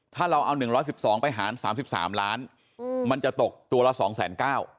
ถ้าเราเอา๑๑๒ไปหาร๓๓ล้านมันจะตกตัวละ๒๙๐๐บาท